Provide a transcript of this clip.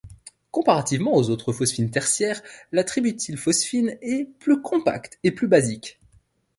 Comparativement aux autres phosphines tertiaires, la tributylphosphines est plus compacte et plus basique.